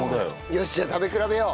よしじゃあ食べ比べよう。